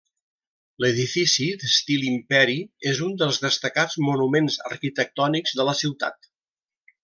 L'edifici, d'estil imperi, és un dels destacats monuments arquitectònics de la ciutat.